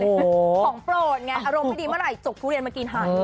ของโปรดไงอารมณ์ไม่ดีเมื่อไหร่จกทุเรียนมากินหัน